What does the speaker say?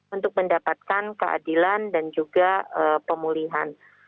untuk mendapatkan keadilan dan juga pemulihan